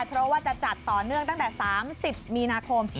เพราะว่าจะจัดต่อเนื่องตั้งแต่๓๐มีนาคม